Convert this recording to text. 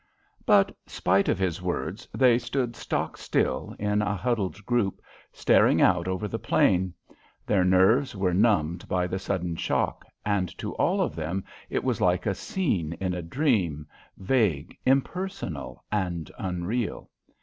But in spite of his words, they stood stock still, in a huddled group, staring out over the plain. Their nerves were numbed by the sudden shock, and to all of them it was like a scene in a dream, vague, impersonal, and unreal.